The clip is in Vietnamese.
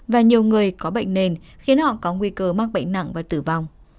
và nhiều người có bệnh nền khiến họ có nguy cơ mắc bệnh nặng và tử vong